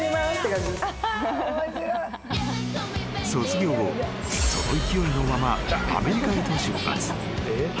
［卒業後その勢いのままアメリカへと出発］